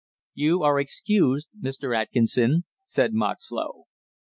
"You are excused, Mr. Atkinson," said Moxlow.